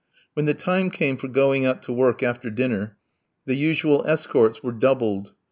When the time came for going out to work after dinner the usual escorts were doubled.